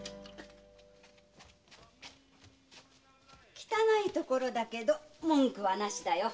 汚い所だけど文句はなしだよ。